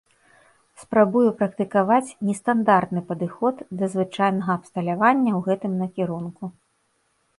Спрабую практыкаваць нестандартны падыход да звычайнага абсталявання ў гэтым накірунку.